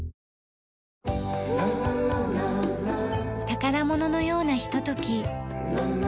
宝物のようなひととき。